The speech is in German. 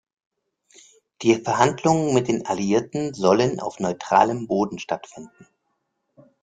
Die Verhandlungen mit den Alliierten sollen auf neutralem Boden stattfinden.